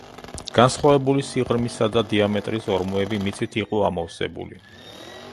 განსხვავებული სიღრმისა და დიამეტრის ორმოები მიწით იყო ამოვსებული.